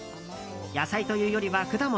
野菜というよりは果物。